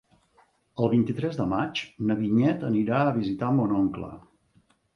El vint-i-tres de maig na Vinyet anirà a visitar mon oncle.